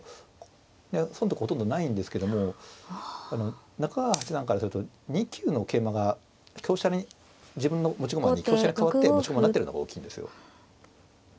いや損得ほとんどないんですけども中川八段からすると２九の桂馬が香車に自分の持ち駒に香車に代わって持ち駒になってるのが大きいんですよ。